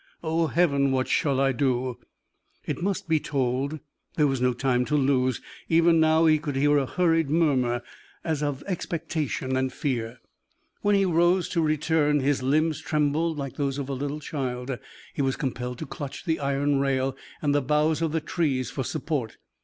"Oh, Heaven, what shall I do?" It must be told there was no time to lose: even now he could hear a hurried murmur, as of expectation and fear. When he rose to return his limbs trembled like those of a little child; he was compelled to clutch the iron rail and the boughs of the trees for support.